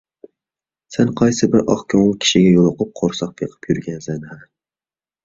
سەن قايسىبىر ئاق كۆڭۈل كىشىگە يولۇقۇپ، قورساق بېقىپ يۈرگەنسەن - ھە!